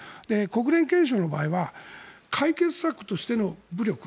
国連憲章の場合は解決策としての武力